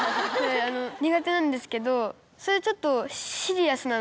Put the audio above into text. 苦手なんですけどちょっと。